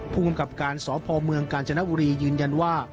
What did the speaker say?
ผู้กำกับการสพเมืองกาญจนบุรียืนยันว่า